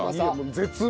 絶妙。